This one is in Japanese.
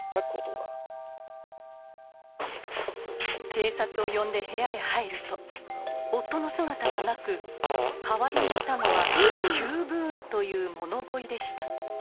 警察を呼んで部屋へ入ると夫の姿はなく代わりにいたのはヒュー・ブーンという物乞いでした。